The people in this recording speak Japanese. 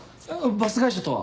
バス会社とは？